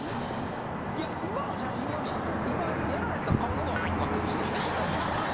いや今の写真より今やられた顔の方がおもろかったですよ。